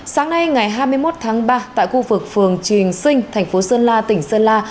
sáng nay ngày hai mươi một tháng ba tại khu vực phường triền sinh thành phố sơn la tỉnh sơn la